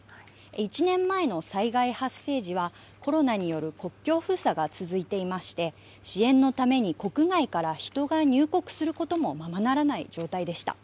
１年前の災害発生時はコロナによる国境封鎖が続いていまして支援のために国外から人が入国することもままならない状態でした。